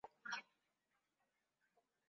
kwamba baada ya ndege kupata ajali igemchukua